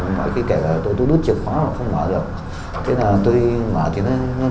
mỗi khi kể là tôi nút chìa khóa mà không mở được thế là tôi mở thì nó chốt bên trong